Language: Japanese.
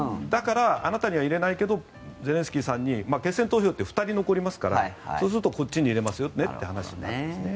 だから、あなたに入れないけどゼレンスキーさんに決選投票って２人残りますからそうするとこっちに入れますよということに。